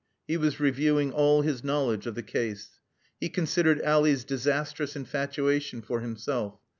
He was reviewing all his knowledge of the case. He considered Ally's disastrous infatuation for himself.